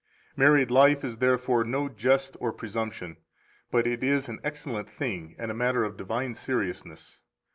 Married life is therefore no jest or presumption; but it is an excellent thing and a matter of divine seriousness.